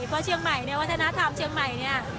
เพราะเชียงใหม่เนี่ยวัฒนธรรมเชียงใหม่เนี่ย